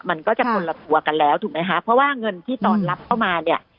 มันก็จะคนละตัวกันแล้วถูกไหมคะเพราะว่าเงินที่ตอนรับเข้ามาเนี่ย